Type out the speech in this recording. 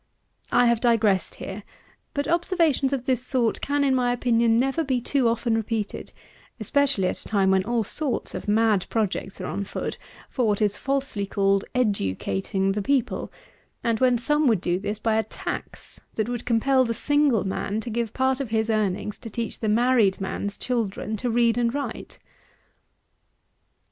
I have digressed here; but observations of this sort can, in my opinion, never be too often repeated; especially at a time when all sorts of mad projects are on foot, for what is falsely called educating the people, and when some would do this by a tax that would compel the single man to give part of his earnings to teach the married man's children to read and write.